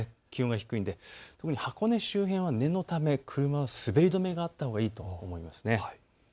特に箱根周辺は念のため車の滑り止めがあったほうがいいと思います。